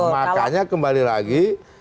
makanya kembali lagi